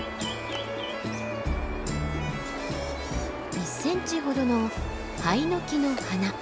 １ｃｍほどのハイノキの花。